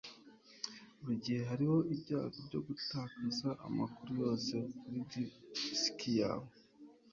burigihe hariho ibyago byo gutakaza amakuru yose kuri disiki yawe